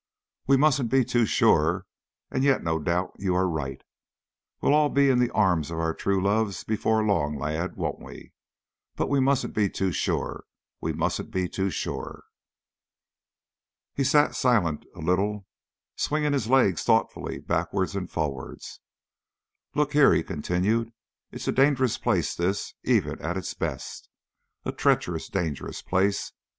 "We mustn't be too sure and yet no doubt you are right. We'll all be in the arms of our own true loves before long, lad, won't we? But we mustn't be too sure we mustn't be too sure." He sat silent a little, swinging his leg thoughtfully backwards and forwards. "Look here," he continued; "it's a dangerous place this, even at its best a treacherous, dangerous place.